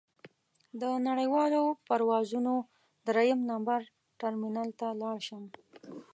د نړیوالو پروازونو درېیم نمبر ټرمینل ته لاړ شم.